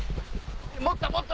もっともっと！